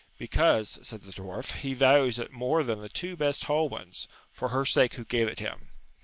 Because, said the dwarf, he values it more than the two best whole ones, for her sake who gave it him.